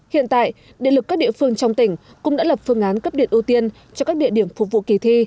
hiện tại điện lực các địa phương trong tỉnh cũng đã lập phương án cấp điện ưu tiên cho các địa điểm phục vụ kỳ thi